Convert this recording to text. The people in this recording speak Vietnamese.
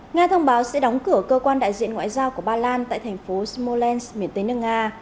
nga thông báo sẽ đóng cửa cơ quan đại diện ngoại giao của ba lan tại thành phố smolensk miền tây nước nga